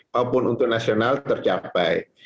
maupun untuk nasional tercapai